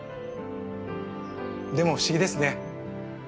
でも不思議ですね。